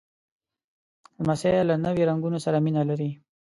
لمسی له نوي رنګونو سره مینه لري.